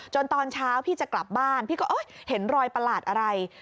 ตอนเช้าพี่จะกลับบ้านพี่ก็เห็นรอยประหลาดอะไร